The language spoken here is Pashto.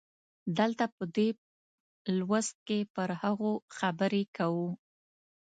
دلته په دې لوست کې پر هغو خبرې کوو.